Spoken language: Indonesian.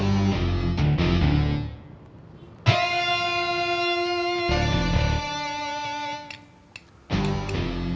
sebentar saya lapor dulu